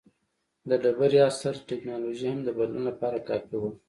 د ډبرې عصر ټکنالوژي هم د بدلون لپاره کافي وه.